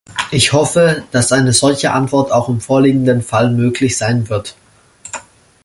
Ich hoffe, dass eine solche Antwort auch im vorliegenden Fall möglich sein wird.